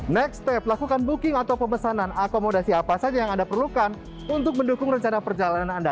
next step lakukan booking atau pemesanan akomodasi apa saja yang anda perlukan untuk mendukung rencana perjalanan anda